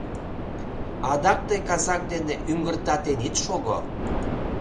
Адак тый казак дене ӱҥгыртатен ит шого.